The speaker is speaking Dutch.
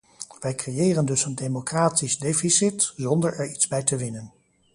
Wij creëren dus een democratisch deficit, zonder er iets bij te winnen.